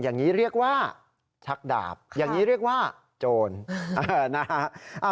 อย่างนี้เรียกว่าชักดาบอย่างนี้เรียกว่าโจรนะฮะ